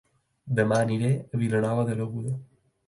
Dema aniré a Vilanova de l'Aguda